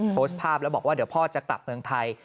โพสต์ภาพแล้วบอกว่าเดี๋ยวพ่อจะกลับเมืองไทย